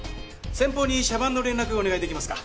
先方に車番の連絡をお願いできますか？